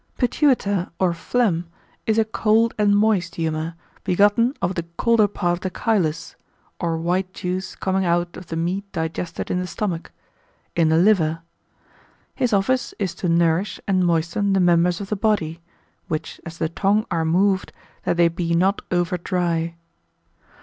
Pituita, or phlegm, is a cold and moist humour, begotten of the colder part of the chylus (or white juice coming out of the meat digested in the stomach,) in the liver; his office is to nourish and moisten the members of the body, which as the tongue are moved, that they be not over dry.